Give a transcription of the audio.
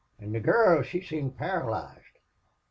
An' the gurl she seemed paralyzed.